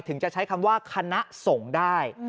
ถึงจะใช้คำว่าคณะสงฆ์ได้